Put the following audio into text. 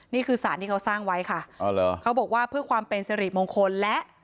นี่คือสารที่เขาสร้างไว้ค่ะอ๋อเหรอเขาบอกว่าเพื่อความเป็นสิริมงคลและ